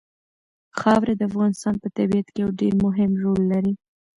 خاوره د افغانستان په طبیعت کې یو ډېر مهم رول لري.